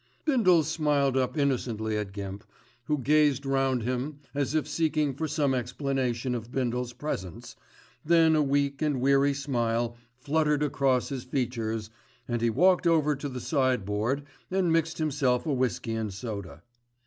Bindle smiled up innocently at Gimp, who gazed round him as if seeking for some explanation of Bindle's presence, then a weak and weary smile fluttered across his features, and he walked over to the side board and mixed himself a whisky and soda.